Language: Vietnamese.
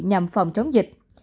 nhằm phòng chống dịch